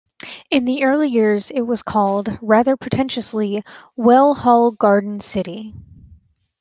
In the early years it was called, rather pretentiously, "Well Hall Garden City".